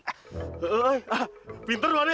eh pinter luarnya